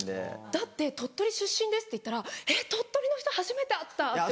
だって鳥取出身ですって言ったら「鳥取の人初めて会った」って。